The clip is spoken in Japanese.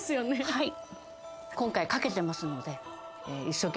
はい。